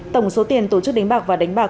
tổng số tiền tổ chức đánh bạc và đánh bạc